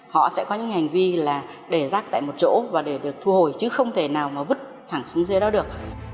họ sẽ có những hành vi là để rác tại một chỗ và để được thu hồi chứ không thể nào mà vứt thẳng xuống dưới đó được